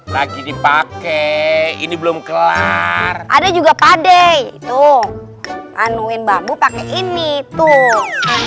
lagi dipakai ini belum kelar ada juga pade tuh anuin bambu pakai ini tuh